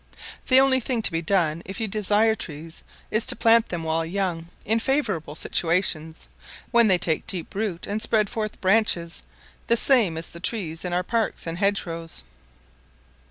The only thing to be done if you desire trees, is to plant them while young in favourable situations, when they take deep root and spread forth branches the same as the trees in our parks and hedge rows.